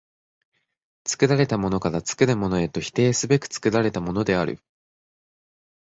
作られたものから作るものへと否定すべく作られたものである。